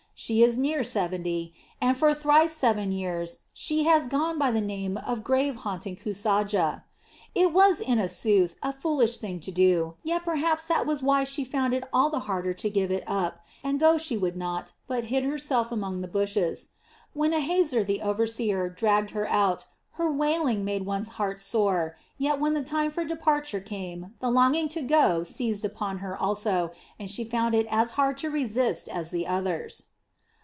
She is near seventy, and for thrice seven years she has gone by the name of grave haunting Kusaja. It was in sooth a foolish thing to do; yet perhaps that was why she found it all the harder to give it up, and go she would not, but hid herself among the bushes. When Ahieser, the overseer, dragged her out, her wailing made one's heart sore, yet when the time for departure came, the longing to go seized upon her also, and she found it as hard to resist as the others."